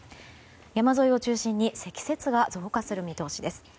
山沿いを中心に積雪が増加する見通しです。